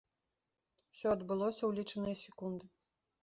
Усё адбылося ў лічаныя секунды.